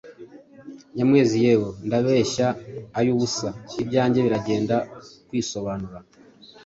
Nyamwezi:Yewe, ndabeshya ay’ubusa ibyange birenda kwisobanura!